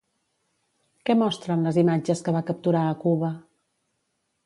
Què mostren les imatges que va capturar a Cuba?